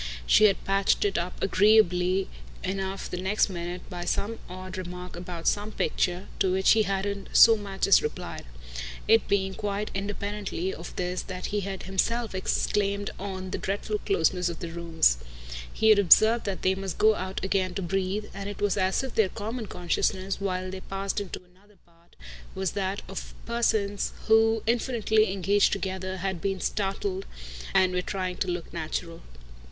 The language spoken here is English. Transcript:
She had patched it up agreeably enough the next minute by some odd remark about some picture, to which he hadn't so much as replied; it being quite independently of this that he had himself exclaimed on the dreadful closeness of the rooms. He had observed that they must go out again to breathe; and it was as if their common consciousness, while they passed into another part, was that of persons who, infinitely engaged together, had been startled and were trying to look natural.